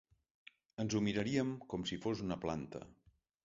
Ens ho miraríem com si fos una planta.